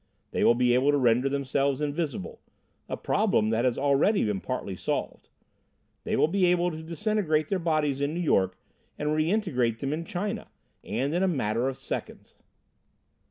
They will be able to render themselves invisible a problem that has already been partly solved. They will be able to disintegrate their bodies in New York and reintegrate them in China and in a matter of seconds.